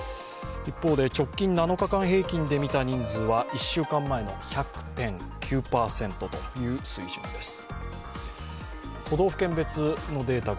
一方で直近７日間平均で見た人数は１週間前の１００．９％という水準です。